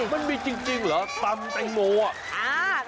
มันมีจริงเหรอตำแตงโมอ่ะ